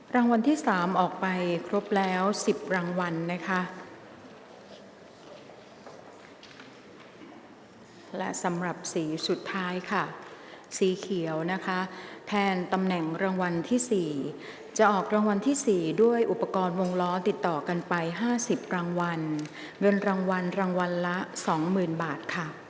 รางวัลที่๓ออกไปครบแล้ว๑๐รางวัลและสำหรับสีสุดท้ายสีเขียวแทนตำแหน่งรางวัลที่๔จะออกรางวัลที่๔ด้วยอุปกรณ์วงล้อติดต่อกันไป๕๐รางวัลเดือนรางวัลรางวัลละ๒๐๐๐๐บาท